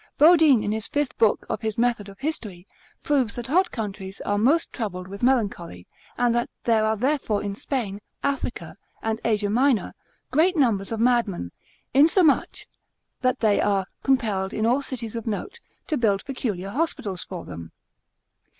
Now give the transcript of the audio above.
Bodine in his fifth Book, De repub. cap. 1, 5, of his Method of History, proves that hot countries are most troubled with melancholy, and that there are therefore in Spain, Africa, and Asia Minor, great numbers of mad men, insomuch that they are compelled in all cities of note, to build peculiar hospitals for them.